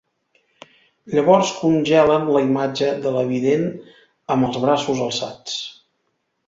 Llavors congelen la imatge de la vident amb els braços alçats.